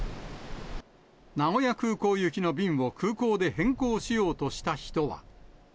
名古屋空港行きの便を空港で変更しようとした人は。